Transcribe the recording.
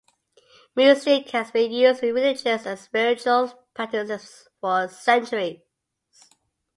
Music has been used in religious and spiritual practices for centuries.